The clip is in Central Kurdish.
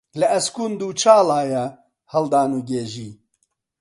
لە ئەسکوند و چاڵایە هەڵدان و گێژی